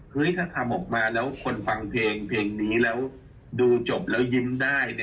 ถ้าทำออกมาแล้วคนฟังเพลงเพลงนี้แล้วดูจบแล้วยิ้มได้